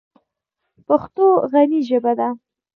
پښتو غني ژبه ده.